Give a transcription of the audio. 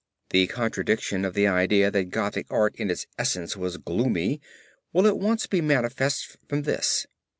The contradiction of the idea that Gothic art in its essence was gloomy will at once be manifest from this.